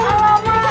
jangan lho aduh aduh